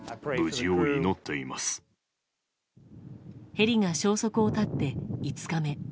ヘリが消息を絶って５日目。